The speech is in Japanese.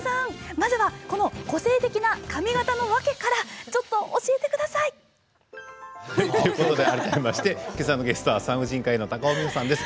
まずはこの個性的な髪形の訳からちょっと教えてください。ということで改めまして今朝のゲストは産婦人科医の高尾美穂さんです。